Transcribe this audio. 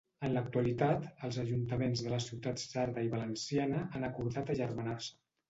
En l'actualitat, els ajuntaments de les ciutats sarda i valenciana han acordat agermanar-se.